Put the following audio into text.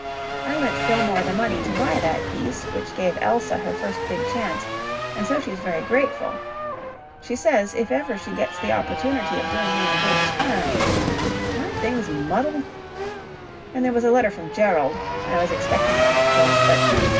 I lent Fillmore the money to buy that piece, which gave Elsa her first big chance, and so she's very grateful. She says, if ever she gets the opportunity of doing me a good turn... Aren't things muddled? "And there was a letter from Gerald. I was expecting one, of course, but...